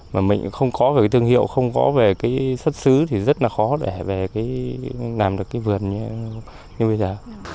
mà mình không có về cái thương hiệu không có về cái xuất xứ thì rất là khó để về làm được cái vườn như bây giờ